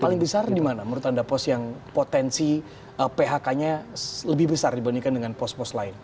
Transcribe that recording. paling besar di mana menurut anda pos yang potensi phk nya lebih besar dibandingkan dengan pos pos lain